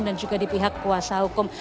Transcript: dan juga di pihak kuasa hukum